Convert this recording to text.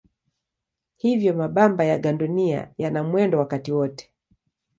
Hivyo mabamba ya gandunia yana mwendo wakati wote.